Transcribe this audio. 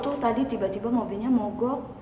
tuh tadi tiba tiba mobilnya mogok